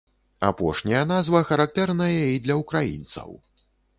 Апошняя назва характэрная і для ўкраінцаў.